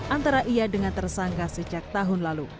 antara ia dengan tersangka sejak tahun lalu